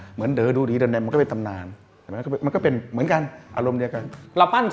เหมือนเดอร์ดูดีเด่นมันก็เป็นตำนาน